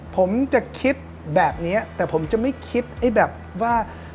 ผมจะคิดแบบนี้แต่ผมจะไม่คิดไอ้แบบว่า